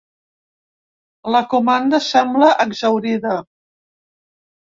La comanda sembla exhaurida.